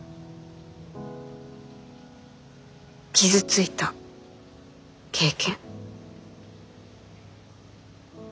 傷ついた経験。